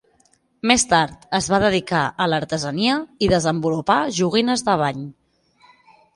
Més tard es va dedicar a l'artesania i desenvolupà joguines de bany.